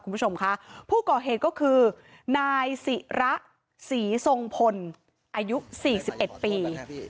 คุณผู้ชมค่ะผู้ก่อเหตุก็คือนายศิระศรีทรงพลอายุ๔๑ปี